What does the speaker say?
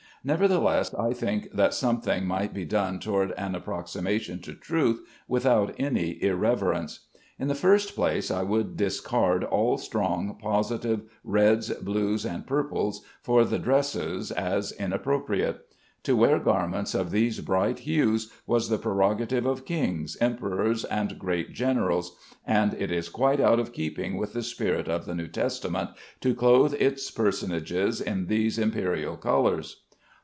Nevertheless, I think that something might be done toward an approximation to truth without any irreverence. In the first place, I would discard all strong positive reds, blues, and purples for the dresses, as inappropriate. To wear garments of these bright hues was the prerogative of kings, emperors, and great generals, and it is quite out of keeping with the spirit of the New Testament to clothe its personages in these imperial colors.